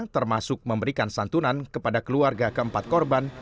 termasuk memberikan santunan kepada keluarga keempat korban